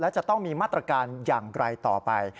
จะต้องมีมาตรการอย่างไกลต่อไป